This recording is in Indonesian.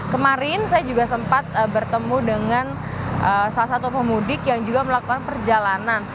kemarin saya juga sempat bertemu dengan salah satu pemudik yang juga melakukan perjalanan